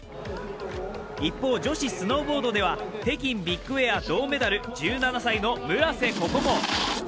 一方、女子スノーボードでは北京ビッグエア銅メダルの１７歳の村瀬心椛。